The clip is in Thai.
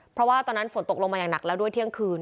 เพราะว่าตอนนั้นฝนตกลงมาอย่างหนักแล้วด้วยเที่ยงคืน